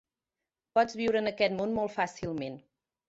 Pots viure en aquest món molt fàcilment.